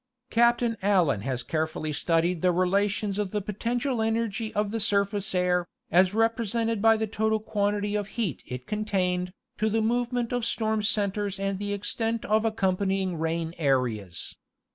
Captain Allen has carefully studied the relations of the potential energy of the surface air, as represented by the total quantity of heat it contained, to the movement of storm centres and the extent of accompanying rain areas.